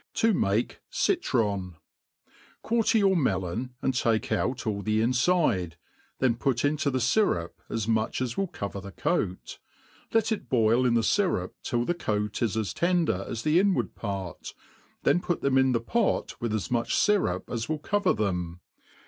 3^9 To mah Citron, QUARTER your melon, and take out all the infide, t\^n put into the fyrup as much as will coVer the coat ; let it boH iit the fyrup till the coat is as tender as the inward part, then put flKm m th« pot with as m4i€h iy^rup as wiU caver them.